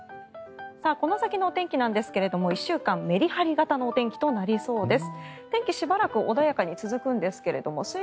この先のお天気なんですけれども１週間、メリハリ型のお天気となりそうです。